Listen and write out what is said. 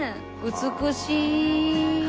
美しい。